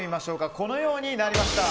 このようになりました。